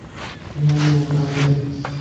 Ni hali ya kawaida".